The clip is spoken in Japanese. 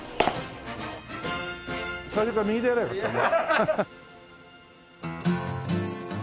最初から右でやりゃあよかったね。